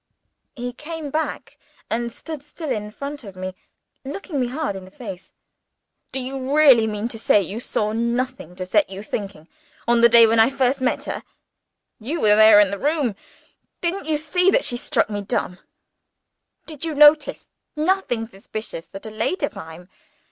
He came back, and stood still in front of me, looking me hard in the face. "Do you really mean to say you saw nothing to set you thinking, on the day when I first met her?" he asked. "You were there in the room didn't you see that she struck me dumb? Did you notice nothing suspicious at a later time?